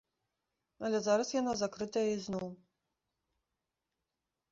Але зараз яна закрытая ізноў.